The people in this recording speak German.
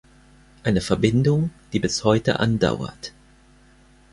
Eine Verbindung, die bis heute andauert.